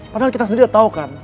padahal kita sendiri udah tau kan